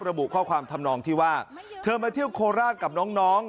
ระบุข้อความทำนองที่ว่าเธอมาเที่ยวโคราชกับน้อง